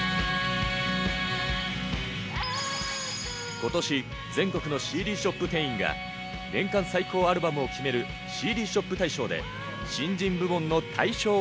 今年全国のＣＤショップ店員が年間最高アルバムを決めるＣＤショップ大賞で新人部門の大賞を